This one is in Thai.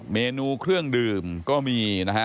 เมนูเครื่องดื่มก็มีนะฮะ